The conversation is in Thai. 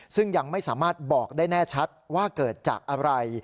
ซึ่งยังไม่สามารถบอกได้แน่ชัดว่าเกิดจากอะไร